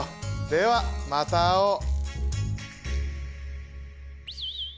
ではまた会おう！